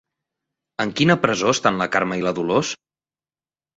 En quina presó estan la Carme i la Dolors?